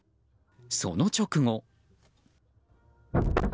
その直後。